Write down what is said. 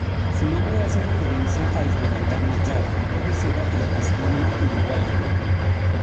Su nombre hace referencia a Esmeralda Mallada, profesora y astrónoma uruguaya.